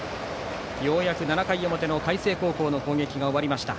ようやく７回表の海星高校の攻撃が終わりました。